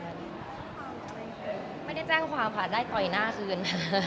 ไม่ได้แจ้งความค่ะได้ต่อยหน้าคืน